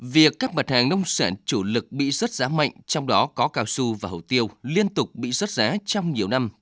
việc các mặt hàng nông sản chủ lực bị rớt giá mạnh trong đó có cao su và hổ tiêu liên tục bị rớt giá trong nhiều năm